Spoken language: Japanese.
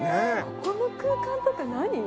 ここの空間とか何？